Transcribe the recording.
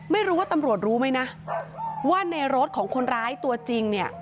ไม่รู้ว่าตำรวจรู้ไหมนะว่าในรถของคนร้ายตัวจริงเนี่ย